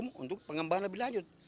untuk apa untuk pengembangan lebih lanjut